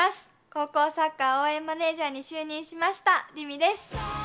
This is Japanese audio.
高校サッカー応援マネージャーに就任しました、凛美です。